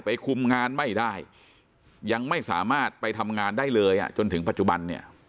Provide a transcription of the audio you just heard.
คุมงานไม่ได้ยังไม่สามารถไปทำงานได้เลยอ่ะจนถึงปัจจุบันเนี่ย